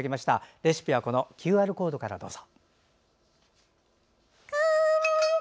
レシピはＱＲコードからどうぞ。